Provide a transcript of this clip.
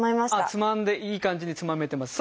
つまんでいい感じにつまめてます。